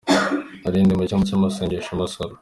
Narindi mu cyumba cy’amasengesho i Masoro .